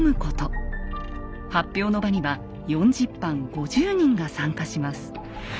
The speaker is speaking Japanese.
発表の場には４０藩５０人が参加します。